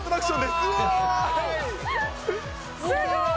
すごい！